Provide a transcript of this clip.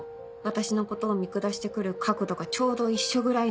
私のことを見下して来る角度がちょうど一緒ぐらいなんです。